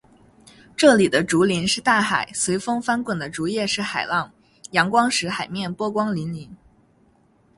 这里的竹林是大海，随风翻滚的竹叶是海浪，阳光使“海面”波光粼粼。